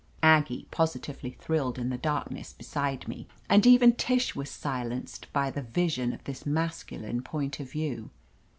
Aggie positively thrilled in the darkness be side me, and even Tish was silenced by the vision of this masculine point of view.